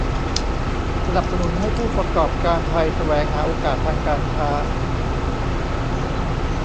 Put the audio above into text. สนับสนุนให้ผู้ประกอบการไทยแสวงหาโอกาสทางการค้า